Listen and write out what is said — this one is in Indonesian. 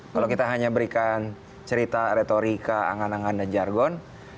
kalau kita hanya berikan cerita retorika angan angan dan jargon